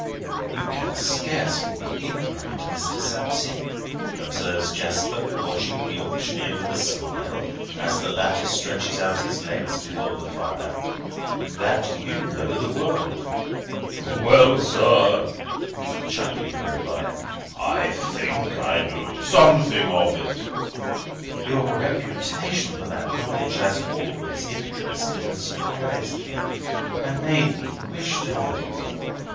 "You can scarcely be ignorant, Mr. Sapsea," observes Jasper, watching the auctioneer with a smile as the latter stretches out his legs before the fire, "that you know the world." "Well, sir," is the chuckling reply, "I think I know something of it; something of it." "Your reputation for that knowledge has always interested and surprised me, and made me wish to know you.